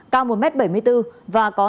cao một m bảy mươi bốn và có